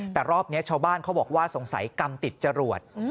แต่รอบนี้ชาวบ้านเขาบอกว่าสงสัยกรรมติดจรวด